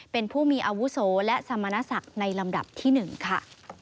เป็นผู้มีอาวุโสและสมณศักดิ์ในลำดับที่๑ค่ะ